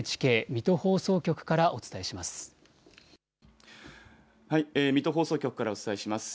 ＮＨＫ水戸放送局からお伝えします。